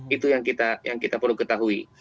itu yang kita perlu ketahui